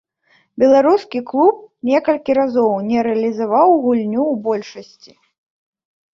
Беларускі клуб некалькі разоў не рэалізаваў гульню ў большасці.